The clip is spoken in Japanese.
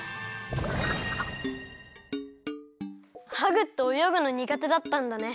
ハグっておよぐのにがてだったんだね。